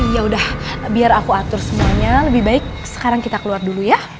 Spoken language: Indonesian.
ya udah biar aku atur semuanya lebih baik sekarang kita keluar dulu ya